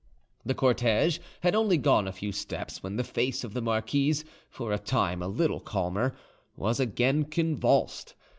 The cortege had only gone a few steps, when the face of the marquise, for a time a little calmer, was again convulsed.